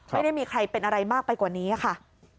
ไม่ได้มีใครเป็นอะไรมากไปกว่านี้ค่ะ